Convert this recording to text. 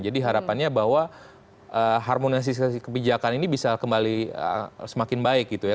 jadi harapannya bahwa harmonisasi kebijakan ini bisa kembali semakin baik gitu ya